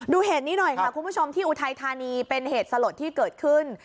เหตุนี้หน่อยค่ะคุณผู้ชมที่อุทัยธานีเป็นเหตุสลดที่เกิดขึ้น